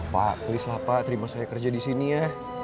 pak please lah pak terima saya kerja disini ya